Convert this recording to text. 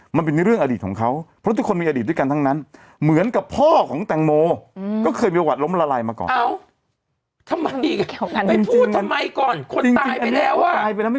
ทำไมไม่พูดทำไมก่อนคนตายไปแล้วอะ